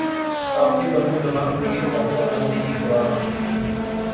تاپسی پنو دبنگ پولیس افسر بننے کی خواہاں